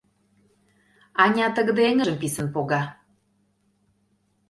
Аня тыгыде эҥыжым писын пога.